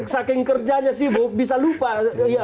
karena saking kerjanya sibuk bisa lupa